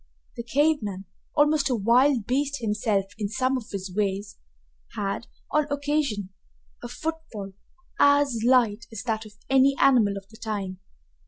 The cave man, almost a wild beast himself in some of his ways, had, on occasion, a footfall as light as that of any animal of the time.